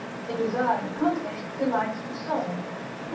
A desire accomplished delights the soul, Prov.